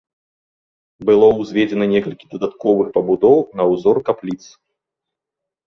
Было ўзведзена некалькі дадатковых пабудоў на ўзор капліц.